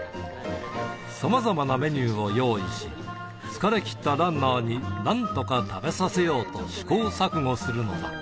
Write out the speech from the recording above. さまざまなメニューを用意し、疲れきったランナーに、なんとか食べさせようと試行錯誤するのだ。